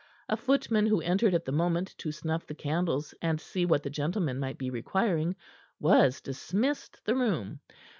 A footman who entered at the moment to snuff the candles and see what the gentlemen might be requiring, was dismissed the room.